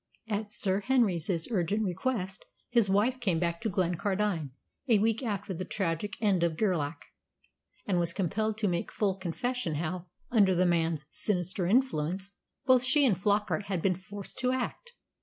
At Sir Henry's urgent request, his wife came back to Glencardine a week after the tragic end of Gerlach, and was compelled to make full confession how, under the man's sinister influence, both she and Flockart had been forced to act.